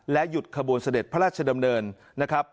และหยุดขบวนเสด็จพระราชดำเนิน